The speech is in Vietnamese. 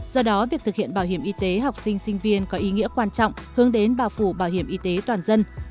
do đó việc thực hiện bảo hiểm y tế học sinh sinh viên có ý nghĩa quan trọng hướng đến bảo phủ bảo hiểm y tế toàn dân